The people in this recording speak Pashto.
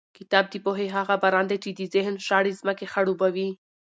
کتاب د پوهې هغه باران دی چې د ذهن شاړې ځمکې خړوبوي.